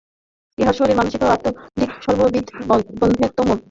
ইহাই শরীরিক মানসিক ও আধ্যাত্মিক সর্ববিধ বন্ধনের মূল।